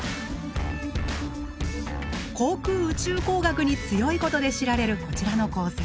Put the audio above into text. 航空宇宙工学に強いことで知られるこちらの高専。